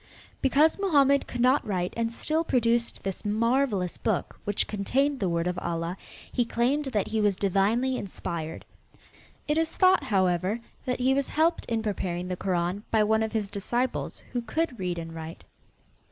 Because Mohammed could not write and still produced this marvelous book, which contained the word of Allah, he claimed that he was divinely inspired. It is thought, however, that he was helped in preparing the Koran by one of his disciples who could read and write.